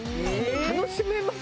楽しめます？